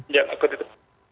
gagal akut itu